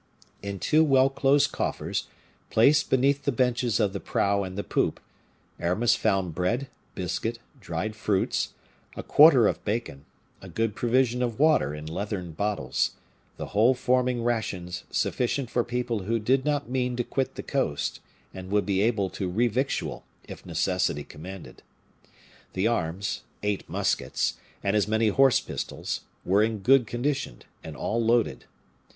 In two well closed coffers, placed beneath the benches of the prow and the poop, Aramis found bread, biscuit, dried fruits, a quarter of bacon, a good provision of water in leathern bottles; the whole forming rations sufficient for people who did not mean to quit the coast, and would be able to revictual, if necessity commanded. The arms, eight muskets, and as many horse pistols, were in good condition, and all loaded.